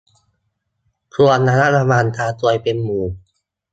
ควรระวังการซวยเป็นหมู่